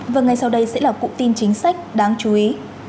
và ngay sau đây sẽ là cụ tin chính sách đáng chú ý